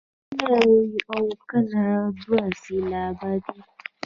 کله یو او کله دوه سېلابه دی.